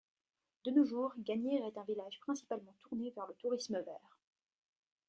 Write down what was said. De nos jours, Gagnières est un village principalement tourné vers le tourisme vert.